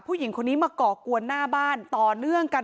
ผู้หญิงคนนี้มาก่อกวนหน้าบ้านต่อเนื่องกัน